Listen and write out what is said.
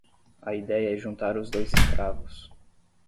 A ideia é juntar os dois escravos.